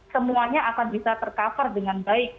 semuanya akan bisa ter cover dengan baik